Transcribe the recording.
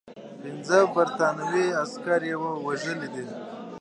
پنځه برټانوي عسکر یې وژلي دي.